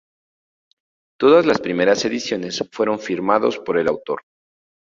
Todas las primeras ediciones fueron firmados por el autor.